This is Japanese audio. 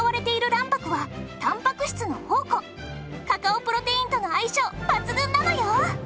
カカオプロテインとの相性抜群なのよ！